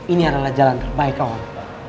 ini adalah jalan terbaik kawan